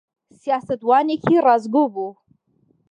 سیاسەتوانێکی ڕاستگۆ بوو.